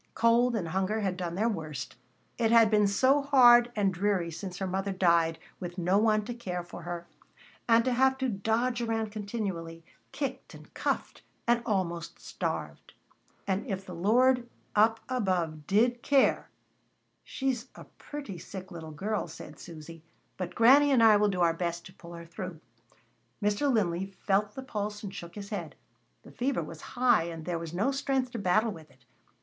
Cold and hunger had done their worst. It had been so hard and dreary since her mother died, with no one to care for her, and to have to dodge around continually, kicked and cuffed and almost starved. And if the Lord up above did care "She's a pretty sick little girl," said Susy, "but Granny and I will do our best to pull her through." Mr. Linley felt the pulse and shook his head. The fever was high and there was no strength to battle with it.